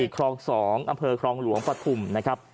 ครอง๒อำเภอครองหลวงปฐุมนะครับ